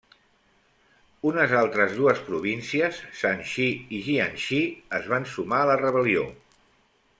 Unes altres dues províncies, Shanxi i Jiangxi, es van sumar a la rebel·lió.